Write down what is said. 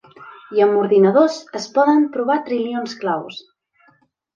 I amb ordinadors, es poden provar trilions claus.